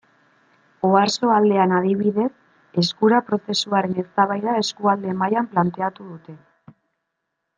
Oarsoaldean, adibidez, Eskura prozesuaren eztabaida eskualde mailan planteatu dute.